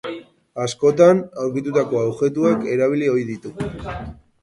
Askotan, aurkitutako objektuak erabili ohi ditu.